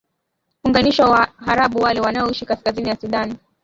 unganishwa na waarabu wale wanaoishi kaskazini ya sudan